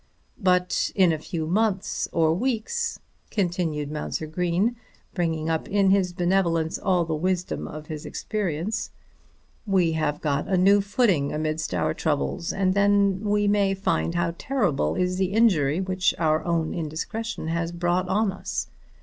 "But in a few months or weeks," continued Mounser Green, bringing up in his benevolence all the wisdom of his experience, "we have got a new footing amidst our troubles, and then we may find how terrible is the injury which our own indiscretion has brought on us.